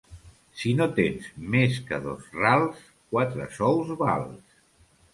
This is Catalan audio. Si no tens més que dos rals, quatre sous vals.